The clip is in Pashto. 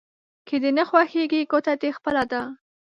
که دې نه خوښېږي ګوته دې خپله ده.